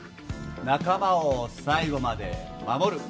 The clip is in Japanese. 仲間を最後まで守る。